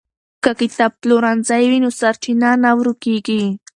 که کتابپلورنځی وي نو سرچینه نه ورکېږي.